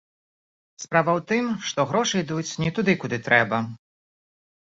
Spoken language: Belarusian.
Справа ў тым, што грошы ідуць не туды, куды трэба.